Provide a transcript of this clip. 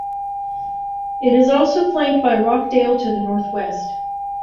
It is also flanked by Rockdale to the northwest.